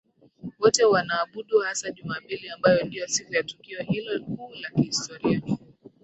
wote wanaabudu hasa Jumapili ambayo ndiyo siku ya tukio hilo kuu la historia